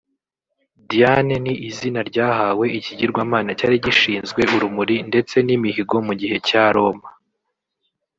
Diane ni izina ryahawe ikigirwamana cyari gishinzwe urumuri ndetse n’imihigo mu gihe cya Roma